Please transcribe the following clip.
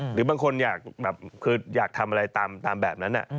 หรือบางคนอยากทำอะไรตามแบบนั้น